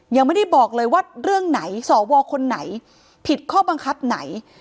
ยังไม่ได้บอกเลยว่าเรื่องไหนสวคนไหนผิดข้อบังคับไหน